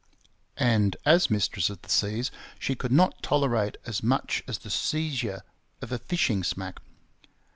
And as mistress of the seas, she could not tolerate as much as the seizure of a fishing smack.